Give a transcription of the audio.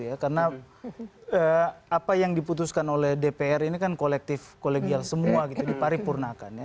karena apa yang diputuskan oleh dpr ini kan kolektif kolegial semua diparipurnakan